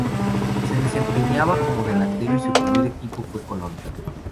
Se desempeñaba como delantero y su primer equipo fue Colón.